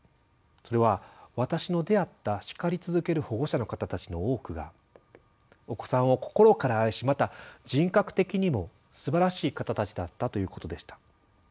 それは私の出会った叱り続ける保護者の方たちの多くがお子さんを心から愛しまた人格的にもすばらしい方たちだったということでした。